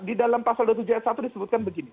di dalam pasal dua puluh tujuh ayat satu disebutkan begini